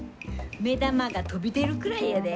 目玉が飛び出るくらいやで！